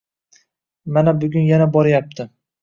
Mana bugun yana boryapti.